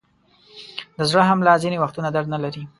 د زړه حمله ځینې وختونه درد نلري.